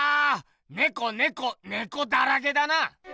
ネコネコネコだらけだな！